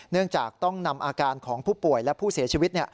เนื่องจากต้องนำอาการของผู้ป่วยและผู้เสียชีวิต